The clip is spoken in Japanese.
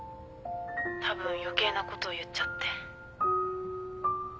たぶん余計なこと言っちゃって。